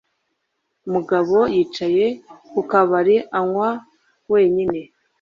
Mugabo yicaye ku kabari anywa wenyine.